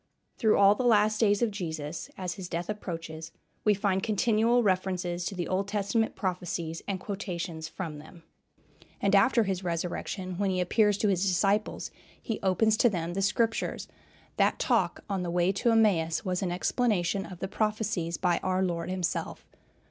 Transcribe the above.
Through all the last days of Jesus, as his death approaches, we find continual references to the Old Testament prophecies, and quotations from them. And after his resurrection, when he appears to his disciples, he "opens to them the Scriptures;" that talk on the way to Emmaus was an explanation of the prophecies, by our Lord himself.